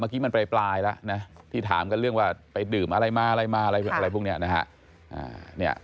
เมื่อกี้มันปลายแล้วนะที่ถามกันเรื่องว่าไปดื่มอะไรมาอะไรมาอะไรพวกนี้นะฮะ